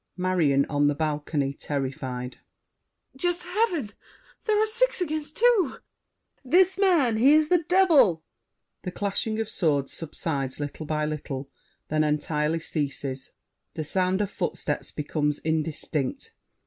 MARION. (on the balcony, terrified). Just Heaven! They are six 'gainst two! VOICE IN THE STREET. This man—he is the devil! [The clashing of swords subsides little by little, then entirely ceases. The sounds of footsteps become indistinct.